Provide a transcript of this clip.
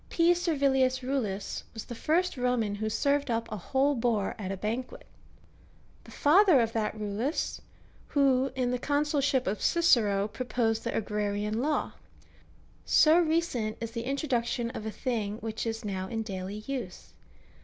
P. Servilius Eullus was the first Roman who served up a whole boar at a banquet ; the father of that Eullus, who, in the consulship of Cicero, proposed tlie Agrarian law. So recent is the introduction of a thing which is now in daily use.